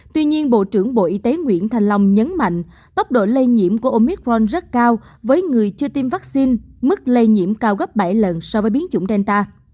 tuy nhiên bộ trưởng bộ y tế nguyễn thành long nhấn mạnh tốc độ lây nhiễm của omicron rất cao với người chưa tiêm vaccine mức lây nhiễm cao gấp bảy lần so với biến chủng delta